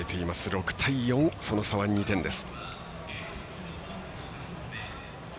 ６対４、その差は２点です。